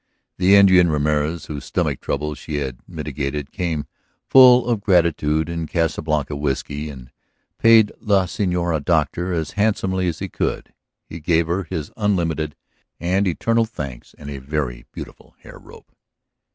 The Indian Ramorez whose stomach trouble she had mitigated came full of gratitude and Casa Blanca whiskey and paid La Señorita Doctor as handsomely as he could; he gave her his unlimited and eternal thanks and a very beautiful hair rope.